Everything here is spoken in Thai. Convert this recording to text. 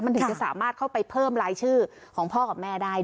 มันถึงจะสามารถเข้าไปเพิ่มรายชื่อของพ่อกับแม่ได้